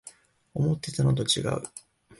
思ってたのとちがう